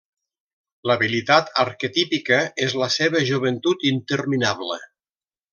L'habilitat arquetípica és la seva joventut interminable.